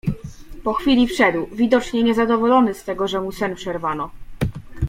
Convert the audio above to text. "Po chwili wszedł, widocznie niezadowolony z tego, że mu sen przerwano."